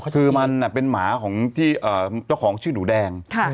คือมันเป็นหมาของที่เจ้าของชื่อหนูแดง